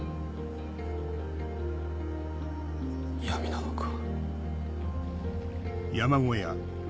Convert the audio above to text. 闇なのか？